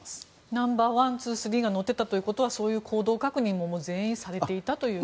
ナンバー１、２、３が乗っていたということはそういう行動確認を全員されていたという？